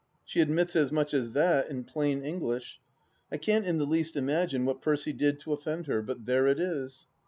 She admits as much as that in plain English. I can't in the least imagine what Percy did to offend her; but there it is.